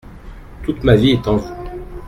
Toute ma vie est en vous.